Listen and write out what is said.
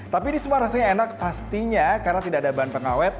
tapi ini semua rasanya enak pastinya karena tidak ada bahan pengawet